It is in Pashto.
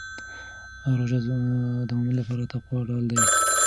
روژه د مؤمن لپاره د تقوا ډال دی.